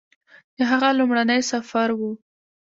د هغه لومړنی سفر و